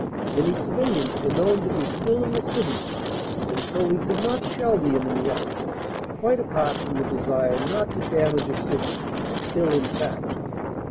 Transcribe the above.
Many civilians were known to be still in the city and so we could not shell the enemy out, quite apart from the desire not to damage a city still intact.